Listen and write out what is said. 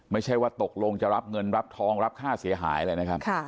ไม่ใช่ว่าตกลงจะรับเงินรับทองรับค่าเสียหายอะไรนะครับ